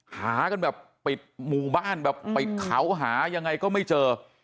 หากันแบบปิดหมู่บ้านแบบปิดเขาหายังไงก็ไม่เจอ